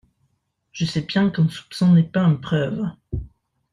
Je sais bien qu’un soupçon n’est pas une preuve.